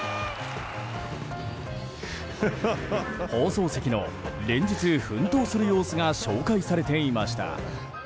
放送席の連日奮闘する様子が紹介されていました。